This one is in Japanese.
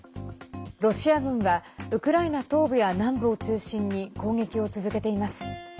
ロシア軍は、ウクライナ東部や南部を中心に攻撃を続けています。